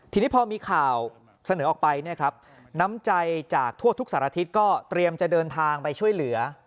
ทีนี้พอมีข่าวเสนอออกไปเนี่ยครับน้ำใจจากทั่วทุกสารทิศก็เตรียมจะเดินทางไปช่วยเหลือ